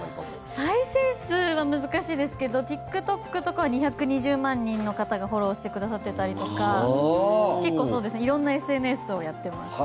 再生数は難しいですけどＴｉｋＴｏｋとかは２２０万人の方がフォローしてくださってたりとか結構、色んなＳＮＳをやっています。